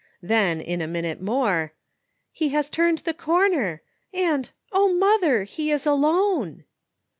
Then, in a minute more, ''He has turned the corner; and, O, mother! he is alone.'